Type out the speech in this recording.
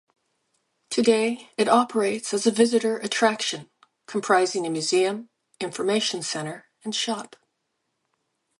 Today, it operates as a visitor attraction comprising a museum, information centre and shop.